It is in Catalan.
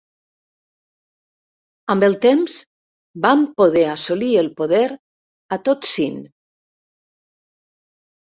Amb el temps van poder assolir el poder a tot Sind.